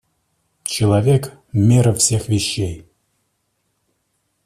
Человек — мера всех вещей.